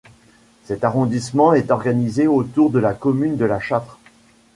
Cet arrondissement est organisé autour de la commune de La Châtre.